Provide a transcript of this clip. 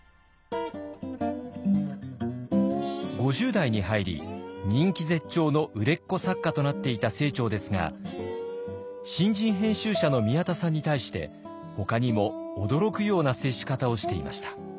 ５０代に入り人気絶頂の売れっ子作家となっていた清張ですが新人編集者の宮田さんに対してほかにも驚くような接し方をしていました。